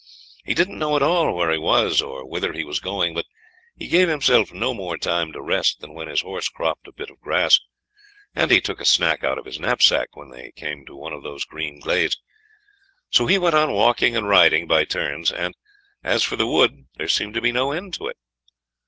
He didn't know at all where he was or whither he was going, but he gave himself no more time to rest than when his horse cropped a bit of grass, and he took a snack out of his knapsack when they came to one of those green glades. So he went on walking and riding by turns, and as for the wood there seemed to be no end to it.